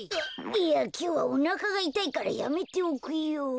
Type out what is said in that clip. いやきょうはおなかがいたいからやめておくよ。